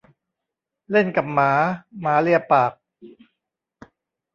เล่นกับหมา หมาเลียปาก